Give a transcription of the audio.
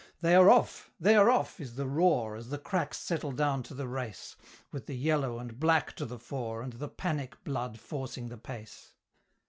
"They are off they are off!" is the roar, As the cracks settle down to the race, With the "yellow and black" to the fore, And the Panic blood forcing the pace.